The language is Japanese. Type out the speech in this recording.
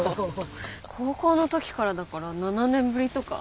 高校の時からだから７年ぶりとか？